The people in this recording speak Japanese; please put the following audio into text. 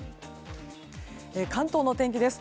関東のお天気です。